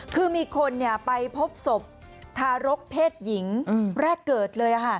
คือมีคนไปพบศพทารกเพศหญิงแรกเกิดเลย